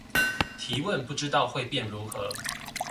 提問不知道會變如何